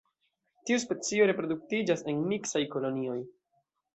Tiu specio reproduktiĝas en miksaj kolonioj.